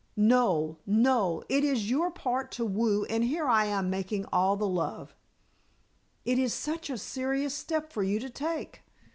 Noel, Noel, it is your part to woo, and here am I making all the love." "It is such a serious step for you to take."